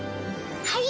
はい。